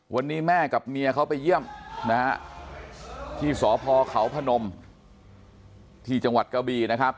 วันนี้แม่กับเมียเขาไปเยี่ยมนะฮะที่สพเขาพนมที่จังหวัดกะบีนะครับ